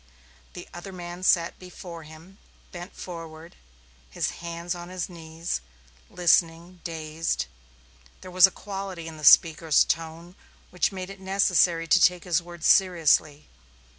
The other man sat before him, bent forward, his hands on his knees, listening, dazed. There was a quality in the speaker's tone which made it necessary to take his words seriously.